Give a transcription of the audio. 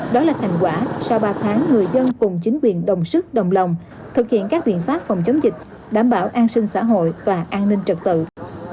đó là thành quả sau ba tháng người dân cùng chính quyền đồng sức đồng lòng thực hiện các biện pháp phòng chống dịch đồng lòng thực hiện các biện pháp phòng chống dịch đồng lòng thực hiện các biện pháp phòng chống dịch